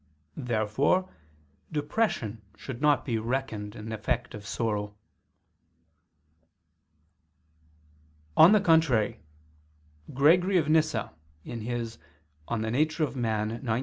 Therefore depression should not be reckoned an effect of sorrow. On the contrary, Gregory of Nyssa [*Nemesius, De Nat. Hom. xix.